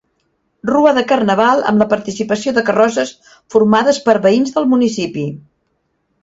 Rua de carnaval, amb la participació de carrosses formades per veïns del municipi.